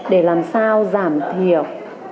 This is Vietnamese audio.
để làm sao giảm thiểu